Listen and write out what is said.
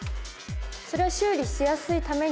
それは修理しやすいために？